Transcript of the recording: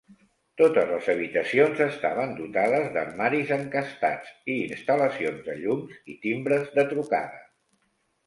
Totes les habitacions estaven dotades d'armaris encastats i instal·lacions de llums i timbres de trucada.